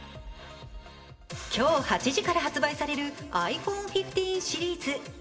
今日８時から発売されるｉＰｈｏｎｅ１５シリーズ。